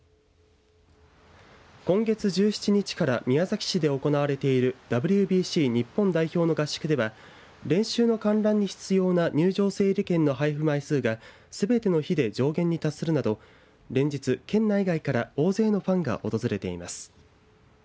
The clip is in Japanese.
今月１７日から宮崎市で行われているＷＢＣ日本代表の合宿では練習の観覧に必要な入場整理券の配布枚数がすべての日で上限に達するなど連日県内外から大勢のファンが訪れています。